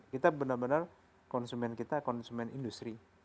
kita benar benar konsumen kita konsumen industri